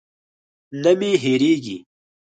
نه مې هېرېږي.